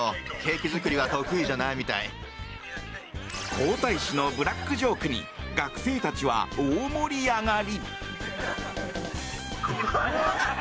皇太子のブラックジョークに学生たちは大盛り上がり。